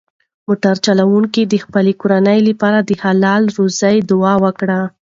موټر چلونکي د خپلې کورنۍ لپاره د حلالې روزۍ دعا وکړه.